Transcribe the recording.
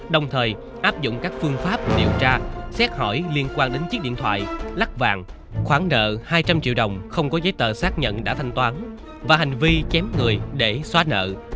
đồng thời áp dụng các phương pháp điều tra xét hỏi liên quan đến chiếc điện thoại lắc vàng khoản nợ hai trăm linh triệu đồng không có giấy tờ xác nhận đã thanh toán và hành vi chém người để xóa nợ